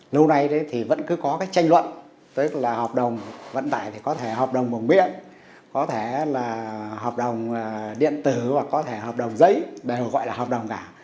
lâu nay thì vẫn cứ có cái tranh luận tức là hợp đồng vận tải thì có thể hợp đồng bằng biện có thể là hợp đồng điện tử hoặc có thể hợp đồng giấy đều gọi là hợp đồng cả